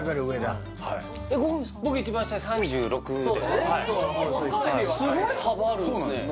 僕一番下で３６ですええ！？